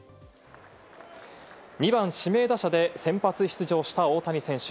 ２番・指名打者で先発出場した大谷選手。